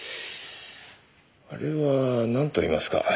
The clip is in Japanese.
あれはなんといいますか。